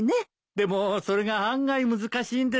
でもそれが案外難しいんですよね。